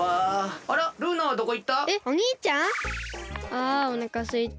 あおなかすいた！